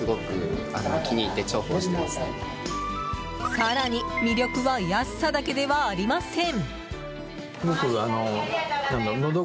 更に、魅力は安さだけではありません。